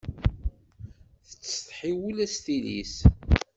Tettsetḥi ula d tili-s